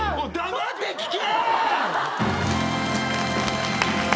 黙って聞け！